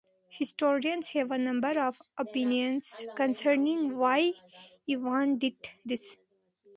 Historians have a number of opinions concerning why Ivan did this.